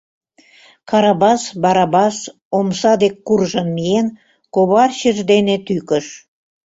Карабас Барабас, омса дек куржын миен, коварчыж дене тӱкыш.